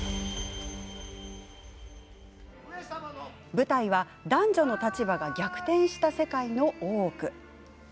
舞台は、男女の立場が逆転した世界の大奥。